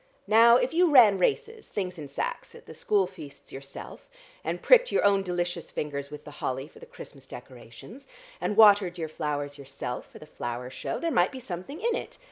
Now if you ran races, things in sacks, at the school feasts yourself, and pricked your own delicious fingers with the holly for the Christmas decorations, and watered your flowers yourself for the flower show, there might be something in it.